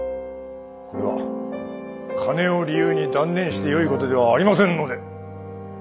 これは金を理由に断念してよいことではありませんので。